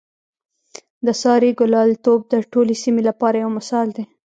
د سارې ګلالتوب د ټولې سیمې لپاره یو مثال دی.